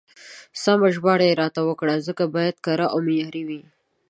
سمه ژباړه يې راته وکړه، ځکه بايد کره او معياري وي.